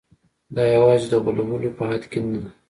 دا یوازې د غولولو په حد کې نه ده.